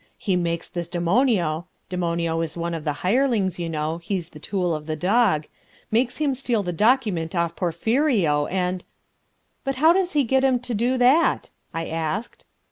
He makes this Demonio (Demonio is one of those hirelings, you know, he's the tool of the Dog)...makes him steal the document off Porphirio, and...." "But how does he get him to do that?" I asked.